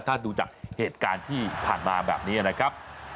ถ้าดูจากเหตุการณ์ที่ผ่านมาแบบนี้นะครับ